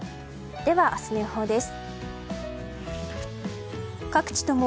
では、明日の予報です。